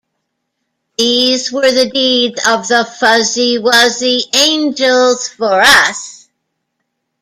These were the deeds of the "Fuzzy Wuzzy Angels" - for us!